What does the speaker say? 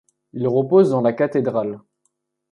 Il repose dans la cathédrale.